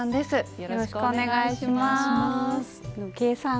よろしくお願いします。